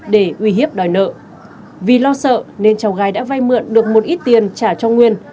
để uy hiếp đòi nợ vì lo sợ nên cháu gái đã vay mượn được một ít tiền trả cho nguyên